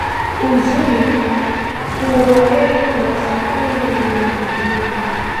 Uzini, Uroa na Skuli ya Mikunguni.